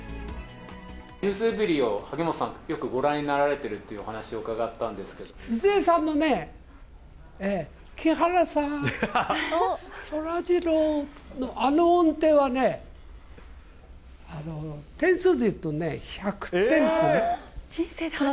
ｎｅｗｓｅｖｅｒｙ．を萩本さん、よくご覧になられてるっていうお話を伺鈴江さんのね、木原さん、そらジローのあの音程はね、点数でいうとね、１００点っていうの。